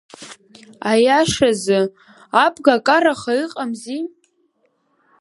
Аиашазы, абга караха иҟамзи.